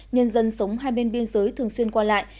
nhân dân sống hai bên biên giới thường xuyên qua lại